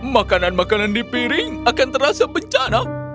makanan makanan di piring akan terasa bencana